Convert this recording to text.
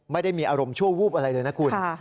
ไม่ได้มีอารมณ์ชั่ววูบอะไรเลยนะคุณ